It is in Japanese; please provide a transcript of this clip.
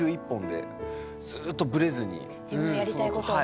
自分のやりたいことをね。